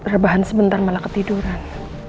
rebahan sebentar malah ketiduran